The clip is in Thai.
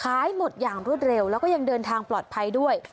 หมดอย่างรวดเร็วแล้วก็ยังเดินทางปลอดภัยด้วย